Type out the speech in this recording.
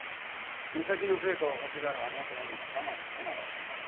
目先の成果を欲しがるあの男には我慢ならなかったんだろう。